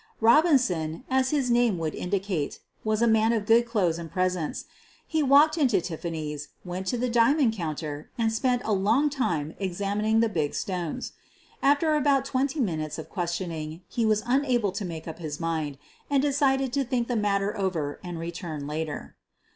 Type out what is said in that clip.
Robrnson, as his name would indicate, was a man of good clothes and presence. He walked into Tif fany's, went to the diamond counter, and spent a long time examining the big stones. After about twenty minutes of questioning he was unable to make up his mind and decided to think the matter over and return later.